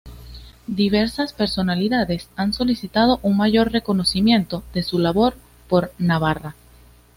Diversas personalidades han solicitado un mayor reconocimiento de su labor por Navarra.